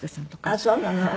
ああそうなの！